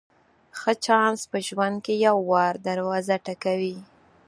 ښه چانس په ژوند کې یو وار دروازه ټکوي.